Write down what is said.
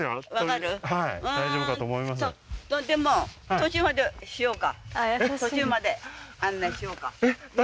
途中まで案内しようか？